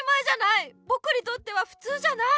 ぼくにとってはふつうじゃない。